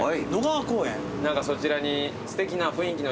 何かそちらに。